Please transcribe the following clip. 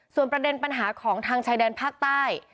ส่วนประเด็นปัญหาของทางชายแดนภาคใต้